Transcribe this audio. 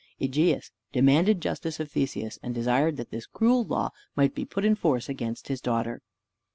Egeus demanded justice of Theseus, and desired that this cruel law might be put in force against his daughter.